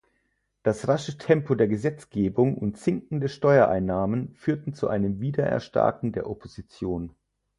Das rasche Tempo der Gesetzgebung und sinkende Steuereinnahmen führten zu einem Wiedererstarken der Opposition.